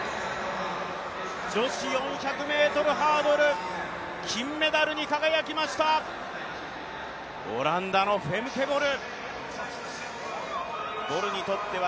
女子４００ｍハードル、金メダルに輝きました、オランダのフェムケ・ボル。